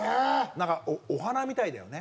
なんかお花みたいだよね